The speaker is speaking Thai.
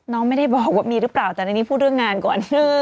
ไม่ได้บอกว่ามีหรือเปล่าแต่ในนี้พูดเรื่องงานก่อน